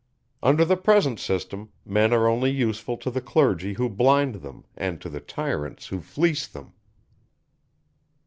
Under the present system, men are only useful to the clergy who blind them, and to the tyrants who fleece them.